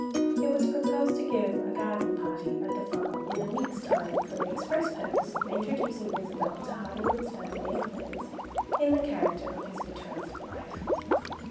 It was proposed to give a garden party at the farm in a week's time for the express purpose of introducing Isabel to Hardyman's family and friends in the character of his betrothed wife.